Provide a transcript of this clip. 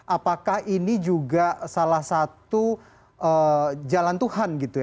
apakah ini juga salah satu jalan tuhan gitu ya